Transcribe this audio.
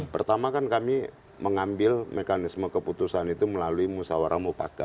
pertama kan kami mengambil mekanisme keputusan itu melalui musawarah mupaka